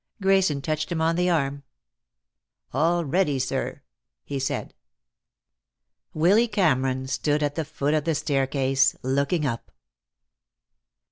Grayson touched him on the arm. "All ready, sir," he said. Willy Cameron stood at the foot of the staircase, looking up.